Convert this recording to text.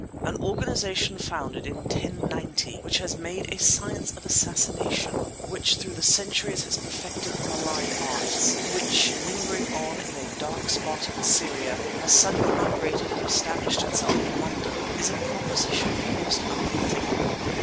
An organization founded in 1090, which has made a science of assassination, which through the centuries has perfected the malign arts, which, lingering on in a dark spot in Syria, has suddenly migrated and established itself in London, is a proposition almost unthinkable.